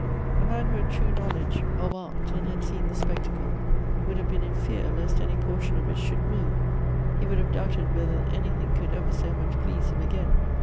A man who had true knowledge of art, and had seen this spectacle, would have been in fear least any portion of it should move ; he would have doubted whether anything could ever so much please him again.